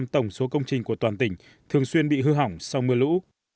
năm tổng số công trình của toàn tỉnh thường xuyên bị hư hỏng sau mưa lũ